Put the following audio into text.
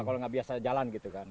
kalau nggak biasa jalan gitu kan